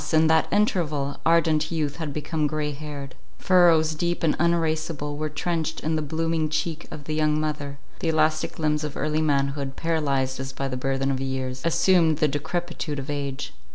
in that interval ardent youth had become grey haired; furrows deep and uneraseable were trenched in the blooming cheek of the young mother; the elastic limbs of early manhood, paralyzed as by the burthen of years, assumed the decrepitude of age.